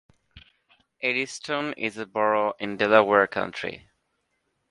Eddystone is a borough in Delaware County.